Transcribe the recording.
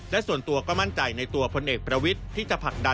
และส่วนตัวก็มั่นใจในตัวผลเอกประวิทร